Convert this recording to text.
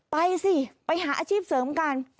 ไปสิไปหาอาชีพเสริมกัน